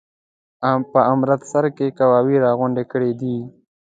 په امرتسر کې قواوي را غونډي کړي دي.